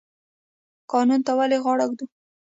قانون ته ولې غاړه کیږدو؟